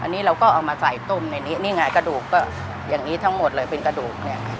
อันนี้เราก็เอามาใส่ต้มในนี้นี่ไงกระดูกก็อย่างนี้ทั้งหมดเลยเป็นกระดูกเนี่ย